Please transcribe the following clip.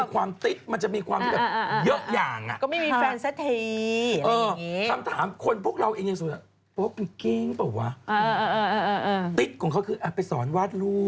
โดยที่ไม่มีค่อยมีใครรู้